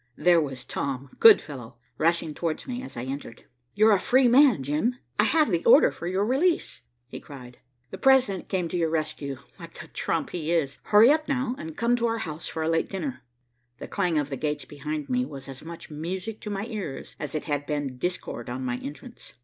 There was Tom, good fellow, rushing towards me as I entered. "You're a free man, Jim; I have the order for your release," he cried. "The President came to your rescue, like the trump he is. Hurry up now, and come to our house for a late dinner." The clang of the gates behind me was as much music to my ears as it had been discord on my entrance.